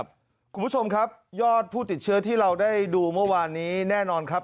คุณผู้ชมครับยอดผู้ติดเชื้อที่เราได้ดูเมื่อวานนี้แน่นอนครับ